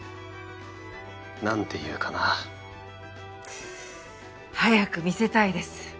何て言うかな？早く見せたいです。